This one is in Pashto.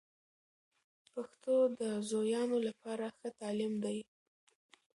پښتو د زویانو لپاره ښه تعلیم دی.